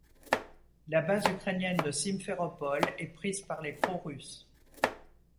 La base ukrainienne de Simféropol est prise par les pro-russes.